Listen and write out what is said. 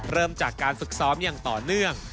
เริ่มจากการฝึกซ้อมอย่างต่อเนื่อง